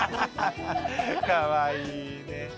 かわいいね。